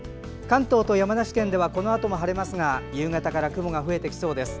関東と山梨県ではこのあとも晴れますが夕方から雲が増えてきそうです。